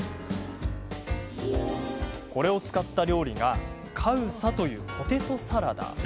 これを使った料理がカウサというポテトサラダ。